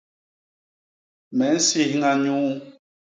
Me nsiñha nyuu.